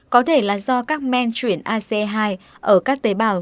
có thể là do các men chuyển ac hai ở các tế bào